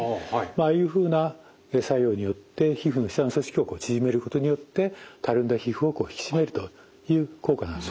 ああいうふうな作用によって皮膚の下の組織を縮めることによってたるんだ皮膚を引き締めるという効果があります。